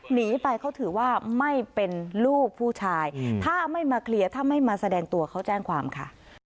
หนีไปเขาถือว่าไม่เป็นลูกผู้ชายถ้าไม่มาเคลียร์ถ้าไม่มาแสดงตัวเขาแจ้งความค่ะ